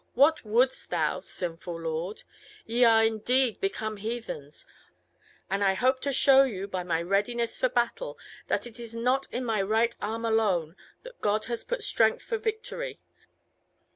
What wouldst thou, sinful lord? Ye are indeed become heathens; and I hope to show you, by my readiness for battle, that it is not in my right arm alone that God has put strength for victory.